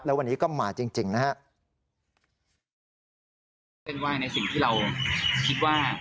แล้ววันนี้ก็มาจริงจริงนะฮะเส้นไหว้ในสิ่งที่เราคิดว่า